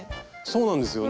そうなんですよ。